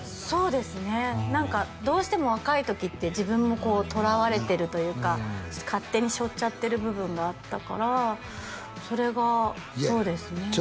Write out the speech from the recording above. そうですね何かどうしても若い時って自分もこうとらわれてるというか勝手にしょっちゃってる部分があったからそれがそうですね